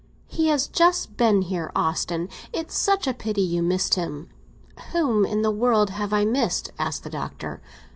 "He has just been here, Austin; it's such a pity you missed him." "Whom in the world have I missed?" asked the Doctor.